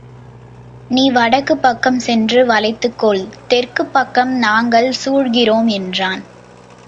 நீ வடக்குப்பக்கம் சென்று வளைத்துக் கொள் தெற்குப்பக்கம் நாங்கள் சூழ்கிறோம் என்றான்.